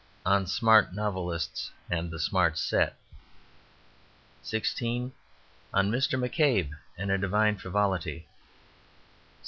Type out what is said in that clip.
On Smart Novelists and the Smart Set 16. On Mr. McCabe and a Divine Frivolity 17.